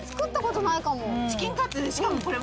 チキンカツしかもこれ。